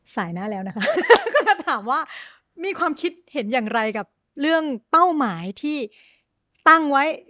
สายหน้าแล้วนะคะก็จะถามว่ามีความคิดเห็นอย่างไรกับเรื่องเป้าหมายที่ตั้งไว้